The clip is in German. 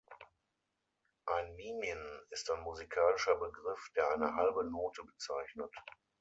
Ein mimim ist ein musikalischer Begriff, der eine halbe Note bezeichnet.